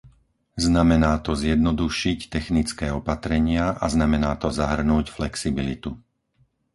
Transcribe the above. Znamená to zjednodušiť technické opatrenia a znamená to zahrnúť flexibilitu.